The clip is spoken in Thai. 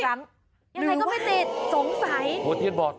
ยังไงก็ไม่เจ๋งสงสัยโหโถ่เหรอสิ